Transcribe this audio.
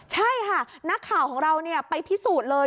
ใช่ค่ะนักข่าวของเราไปพิสูจน์เลย